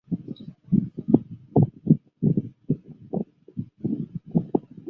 江夏区在地层区划上属扬子地层区下扬子分区大冶小区。